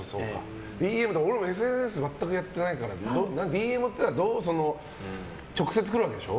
俺、ＳＮＳ全くやってないからＤＭっていうのは直接来るわけでしょ？